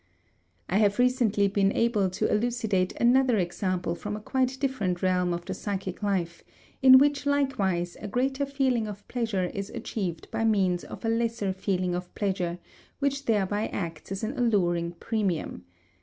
I have recently been able to elucidate another example from a quite different realm of the psychic life, in which likewise a greater feeling of pleasure is achieved by means of a lesser feeling of pleasure which thereby acts as an alluring premium.